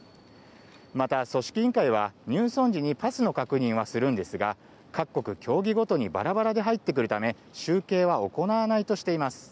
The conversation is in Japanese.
また、組織委員会は入村時にパスの確認はするんですが各国、競技ごとにバラバラで入ってくるため集計は行わないとしています。